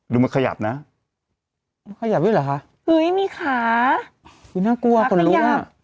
ดูมันขยับนะมันขยับอยู่หรอค่ะอุ้ยมีขาคือน่ากลัวคนรู้อ่ะ